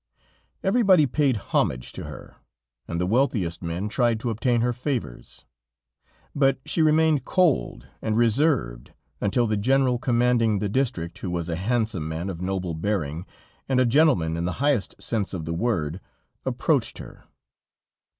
Everybody paid homage to her, and the wealthiest men tried to obtain her favors; but she remained cold and reserved, until the General commanding the district, who was a handsome man of noble bearing, and a gentleman in the highest sense of the word, approached her.